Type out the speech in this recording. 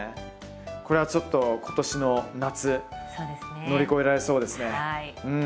これはちょっと今年の夏乗り越えられそうですねうん。